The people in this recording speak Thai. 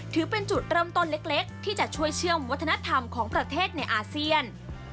ถือเป็นจุดเริ่มต้นเล็กที่จะช่วยเชื่อมวัฒนธรรมของประเทศในอาเซียน